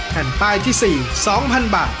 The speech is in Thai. แผ่นป้ายที่๔๒๐๐๐บาท